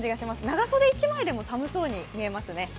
長袖１枚でも寒そうに見えますね。